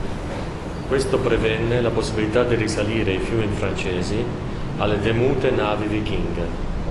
Questo prevenne la possibilità di risalire i fiumi francesi alle temute navi vichinghe.